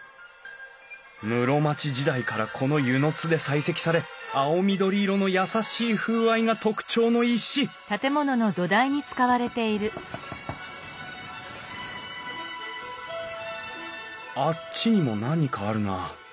室町時代からこの温泉津で採石され青緑色の優しい風合いが特徴の石あっちにも何かあるな。